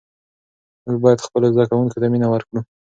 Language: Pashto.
موږ باید خپلو زده کوونکو ته مینه ورکړو.